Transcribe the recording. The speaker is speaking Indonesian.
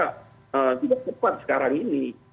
tidak cepat sekarang ini